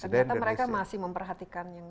ternyata mereka masih memperhatikannya